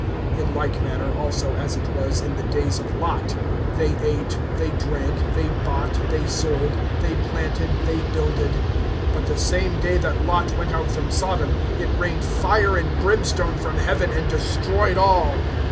(28)In like manner also as it was in the days of Lot; they ate, they drank, they bought, they sold, they planted, they builded; (29)but the same day that Lot went out from Sodom, it rained fire and brimstone from heaven, and destroyed all.